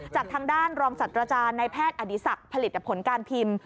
จากทางด้านรองศัตว์อาจารย์ในแพทย์อดีศักดิ์ผลิตผลการพิมพ์